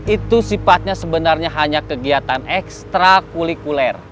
itu sifatnya sebenarnya hanya kegiatan ekstra kulikuler